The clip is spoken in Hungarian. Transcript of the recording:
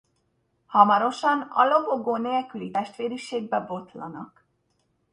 Hamarosan a Lobogó Nélküli Testvériségbe botlanak.